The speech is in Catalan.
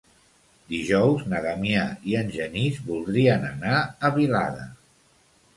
Dijous na Damià i en Genís voldrien anar a Vilada.